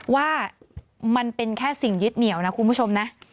ว่ามันเป็นแค่สิ่งยึดเหนียวนะคุณผู้ชมนะ